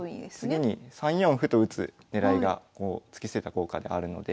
次に３四歩と打つ狙いが突き捨てた効果であるので。